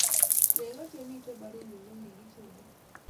Neko che miten baringo kokikichore